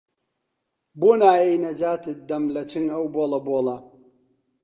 بۆ نایەی نەجاتت دەم لە چنگ ئەو بۆڵە بۆڵە